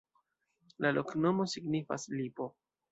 La loknomo signifas: lipo.